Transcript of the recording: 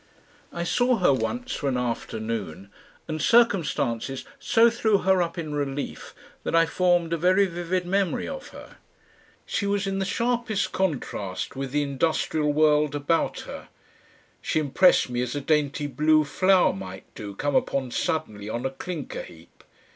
I saw her once, for an afternoon, and circumstances so threw her up in relief that I formed a very vivid memory of her. She was in the sharpest contrast with the industrial world about her; she impressed me as a dainty blue flower might do, come upon suddenly on a clinker heap.